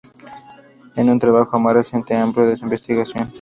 En un trabajo más reciente amplió su investigación.